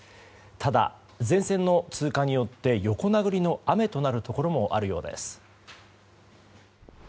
ただ、前線の通過によって横殴りの雨となるところもあるようです。